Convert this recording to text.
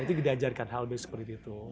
itu diajarkan hal b seperti itu